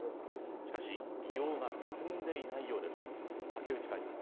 しかし、利用が進んでいないようです。